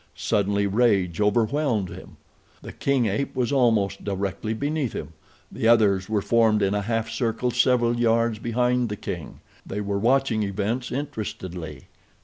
Suddenly rage overwhelmed him. The king ape was almost directly beneath him. The others were formed in a half circle several yards behind the king. They were watching events interestedly.